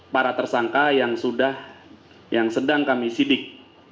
para tersangka yang sudah yang sedang kami sidik